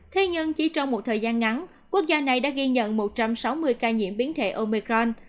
thế nhưng chỉ trong một thời gian ngắn quốc gia này đã ghi nhận một trăm sáu mươi ca nhiễm biến thể omecron